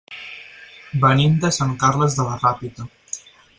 Venim de Sant Carles de la Ràpita.